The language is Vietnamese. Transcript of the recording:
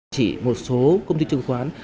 chỉ một số công ty chứng khoán